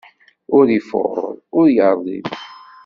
Ur ifuṛ, ur iṛdim.